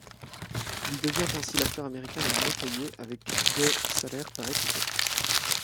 Il devient ainsi l'acteur américain le mieux payé avec de salaire par épisode.